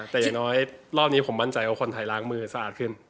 แต่อย่างน้อยรอบนี้ผมมั่นใจว่าคนไทยล้างมือสะอาดขึ้น